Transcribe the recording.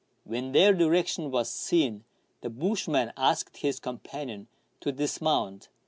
When their direction was seen, the bushman asked his companion to dismount.